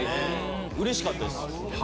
うれしかったです。